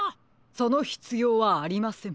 そのひつようはありません。